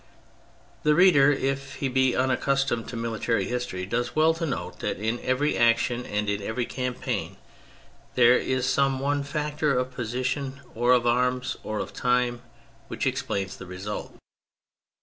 The reader, if he be unaccustomed to military history, does well to note that in every action and in every campaign there is some one factor of position or of arms or of time which explains the result.